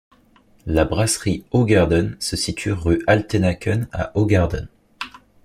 La brasserie Hoegaarden se situe rue Altenaken à Hoegaarden.